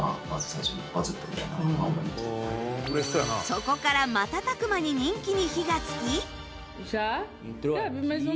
そこから瞬く間に人気に火がつき